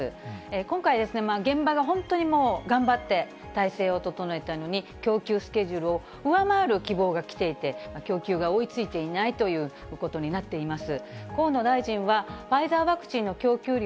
今回、現場が本当にもう頑張って、体制を整えたのに、供給スケジュールを上回る希望が来ていて、供給が追いついていないということになっています。